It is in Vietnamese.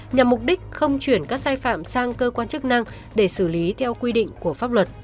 nhằm mục đích không chuyển các sai phạm sang cơ quan chức năng để xử lý theo quy định của pháp luật